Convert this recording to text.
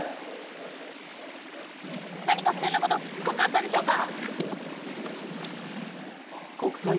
何か不正なことに関わったんでしょうか？